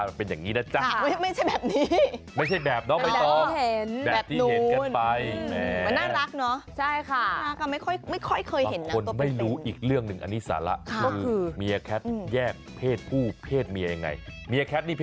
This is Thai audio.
มันหน้าตาแบบนี้มันเปลี่ยนแหละครับ